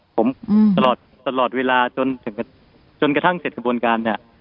ผมตลอดตลอดเวลาจนจนกระทั่งเสร็จกระบวนการเนี่ย